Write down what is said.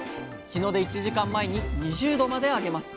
日の出１時間前に２０℃まで上げます。